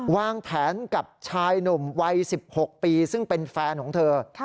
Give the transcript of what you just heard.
วางแผนกับชายหนุ่มวัย๑๖ปีซึ่งเป็นแฟนของเธอ